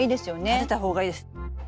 立てた方がいいです。